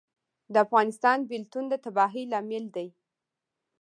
د افغانستان بیلتون د تباهۍ لامل دی